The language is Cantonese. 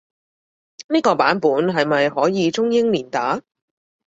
呢個版本係咪可以中英連打？